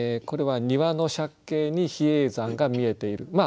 これは庭の借景に比叡山が見えている。